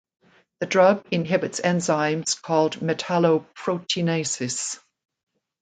The drug inhibits enzymes called metalloproteinases.